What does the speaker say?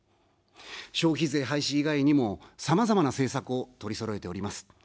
消費税廃止以外にも、さまざまな政策を取りそろえております。